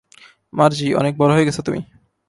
মার্জি, অনেক বড় হয়ে গেছ তুমি!